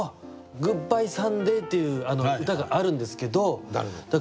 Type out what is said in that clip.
「グッバイサンデー」っていう歌があるんですけど。